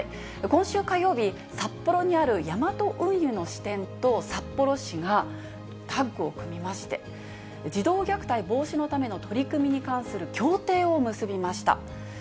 今週火曜日、札幌にあるヤマト運輸の支店と札幌市がタッグを組みまして、児童虐待防止のための取り組みに関する協定を結びました。